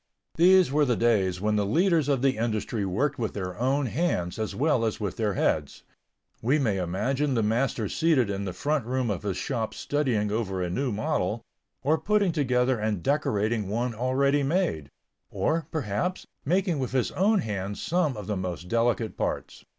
These were the days when the leaders of the industry worked with their own hands as well as with their heads. We may imagine the master seated in the front room of his shop studying over a new model, or putting together and decorating one already made; or, perhaps, making with his own hands some of the most delicate parts.